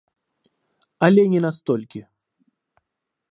Але не на столькі.